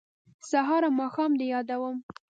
سهار او ماښام دې یادوم